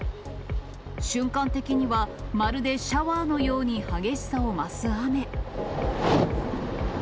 瞬間的には、まるでシャワーのように激しさを増す雨。